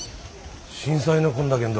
震災のこんだけんど。